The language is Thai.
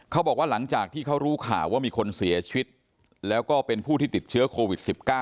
เขาบอกว่าหลังจากที่เขารู้ข่าวว่ามีคนเสียชีวิตแล้วก็เป็นผู้ที่ติดเชื้อโควิด๑๙